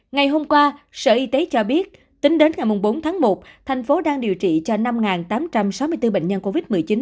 ngày hôm qua sở y tế cho biết tính đến ngày bốn tháng một thành phố đang điều trị cho năm tám trăm sáu mươi bốn bệnh nhân covid một mươi chín